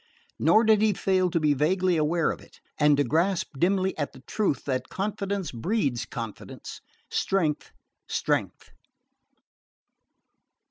Nor did he fail to be vaguely aware of it, and to grasp dimly at the truth that confidence breeds confidence strength, strength.